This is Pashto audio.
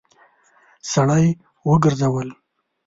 سړی وګرځول.